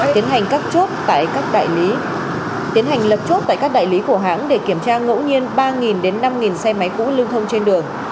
tiến hành lập chốt tại các đại lý của hãng để kiểm tra ngẫu nhiên ba đến năm xe máy cũ lưng thông trên đường